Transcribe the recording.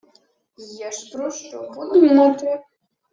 Є ж про що подумати